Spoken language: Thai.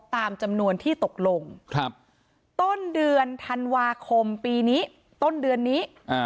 ตามจำนวนที่ตกลงต้นเดือนธันวาคมปีนี้ต้นเดือนนี้